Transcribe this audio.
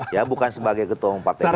ya bukan sebagai ketua umum partai politik